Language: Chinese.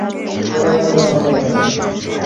今天见到的是改建后的罗马剧场的遗迹。